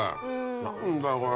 何だよこれ。